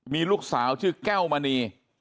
มีลูกสาวชื่อแก้วมณี